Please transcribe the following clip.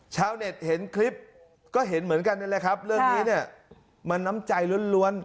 ชาวเน็ตเห็นคลิปก็เห็นเหมือนกันนั่นแหละครับเรื่องนี้เนี่ยมันน้ำใจล้วน